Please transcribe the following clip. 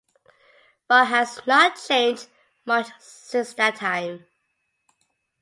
Barr has not changed much since that time.